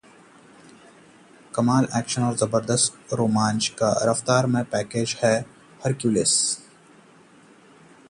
कमाल एक्शन और जबरदस्त रोमांच का रफ्तारमय पैकेज है हरक्युलिस